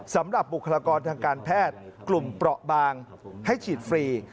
บุคลากรทางการแพทย์กลุ่มเปราะบางให้ฉีดฟรี